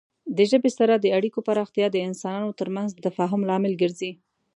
د ژبې سره د اړیکو پراختیا د انسانانو ترمنځ د تفاهم لامل ګرځي.